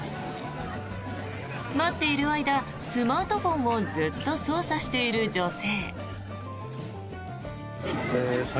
待っている間、スマートフォンをずっと操作している女性。